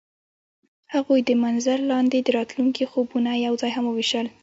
هغوی د منظر لاندې د راتلونکي خوبونه یوځای هم وویشل.